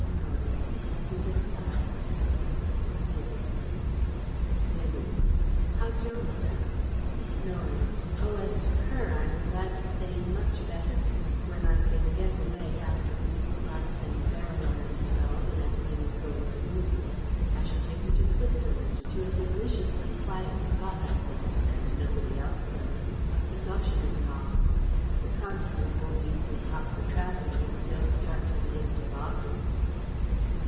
Norie (with a sigh): "Yes!" Vivie: "How's your mother?" Norie: "Oh, as to her, I'm glad to say 'much better.' When I can get away, after the new clerks and Beryl are installed and everything is going smoothly, I shall take her to Switzerland, to a deliciously quiet spot I know and nobody else knows up the Göschenenthal. The Continent won't be so hot for travelling if we don't start till the end of August..."